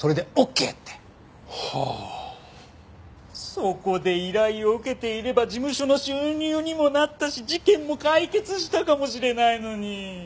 そこで依頼を受けていれば事務所の収入にもなったし事件も解決したかもしれないのに。